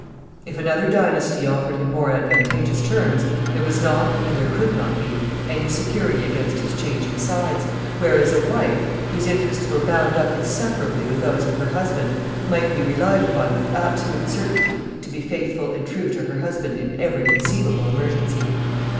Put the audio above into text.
If another dynasty offered him more advantageous terms, there was not, and there could not be, any security against his changing sides; whereas a wife, whose interests were bound up inseparably with those of her husband, might be relied upon with absolute certainty to be faithful and true to her husband in every conceivable emergency.